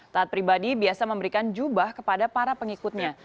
taat pribadi biasa memberikan jubah kepada para pengikutnya